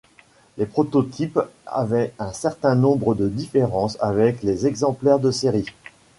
Les prototypes avaient un certain nombre de différences avec les exemplaires de série.